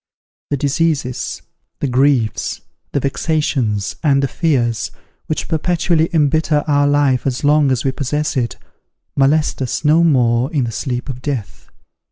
The diseases, the griefs, the vexations, and the fears, which perpetually embitter our life as long as we possess it, molest us no more in the sleep of death.